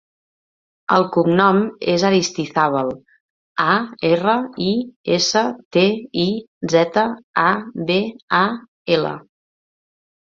El cognom és Aristizabal: a, erra, i, essa, te, i, zeta, a, be, a, ela.